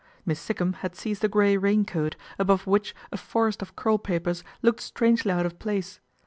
Miss Sikkum had seized a grey raincoat, above which a forest of curl papers looked strangely out of place.